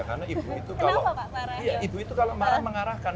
karena ibu itu kalau marah mengarahkan